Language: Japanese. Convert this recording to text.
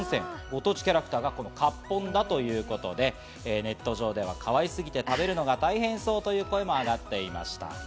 ご当地キャラクターがかっぽんだということで、ネット上では可愛すぎて食べるのが大変そうという声もあがっていました。